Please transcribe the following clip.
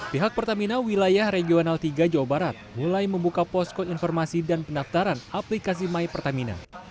pihak pertamina wilayah regional tiga jawa barat mulai membuka posko informasi dan pendaftaran aplikasi my pertamina